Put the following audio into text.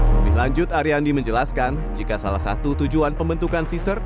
lebih lanjut ariandi menjelaskan jika salah satu tujuan pembentukan ciser